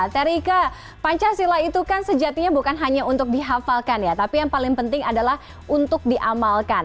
terika pancasila itu kan sejatinya bukan hanya untuk dihafalkan ya tapi yang paling penting adalah untuk diamalkan